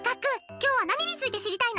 今日は何について知りたいの？